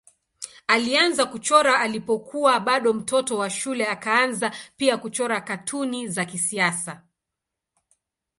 Alianza kuchora alipokuwa bado mtoto wa shule akaanza pia kuchora katuni za kisiasa.